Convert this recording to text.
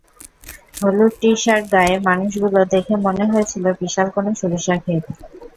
হলুদ টি-শার্ট গায়ে মানুষগুলো দেখে মনে হয়েছিল বিশাল কোনো সরিষা খেত।